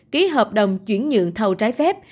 ký hợp đồng chuyển nhượng thầu trái phép